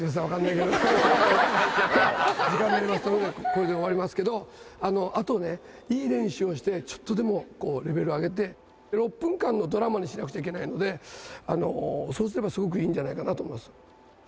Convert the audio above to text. じゃあ、時間になりましたので、これで終わりますけど、あとね、いい練習をして、ちょっとでもレベルを上げて、６分間のドラマにしなくちゃいけないので、そうすればすごくいいんじゃないかなと思います。